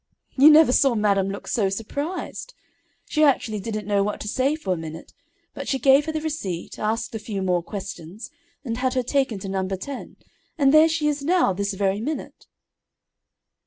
"You never saw madam look so surprised. She actually didn't know what to say for a minute, but she gave her the receipt, asked a few more questions, and had her taken to No. 10, and there she is now, this very minute."